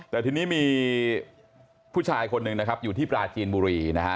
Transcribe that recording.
แต่ทีนี้มีผู้ชายคนหนึ่งนะครับอยู่ที่ปลาจีนบุรีนะฮะ